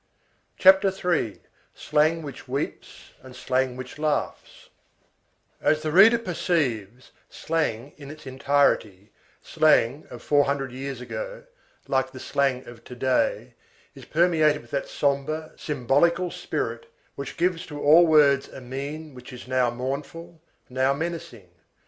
CHAPTER III—SLANG WHICH WEEPS AND SLANG WHICH LAUGHS As the reader perceives, slang in its entirety, slang of four hundred years ago, like the slang of to day, is permeated with that sombre, symbolical spirit which gives to all words a mien which is now mournful, now menacing.